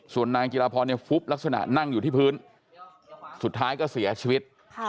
ส่วนนางจิราพรเนี่ยฟุบลักษณะนั่งอยู่ที่พื้นสุดท้ายก็เสียชีวิต